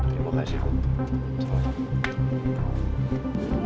ya makasih bud